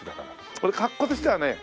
俺格好としてはね